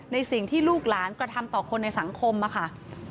สิ่งที่ลูกหลานกระทำต่อคนในสังคมอะค่ะ